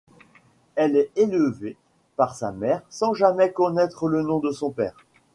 Elle est élevée par sa mère sans jamais connaître le nom du père.